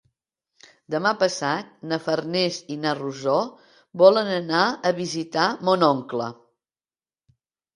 Demà passat na Farners i na Rosó volen anar a visitar mon oncle.